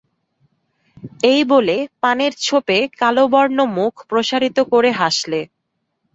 এই বলে পানের ছোপে কালো-বর্ণ মুখ প্রসারিত করে হাসলে।